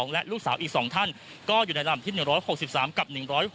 และลูกสาวอีก๒ท่านก็อยู่ในลำที่๑๖๓กับ๑๖๖